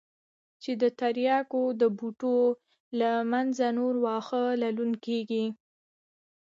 چې د ترياکو د بوټو له منځه نور واښه للون کېږي.